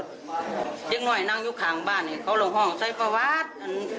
เด็กหน่อยนั่งอยู่ข้างบ้านให้เขาลงห้องใส่ประวัติ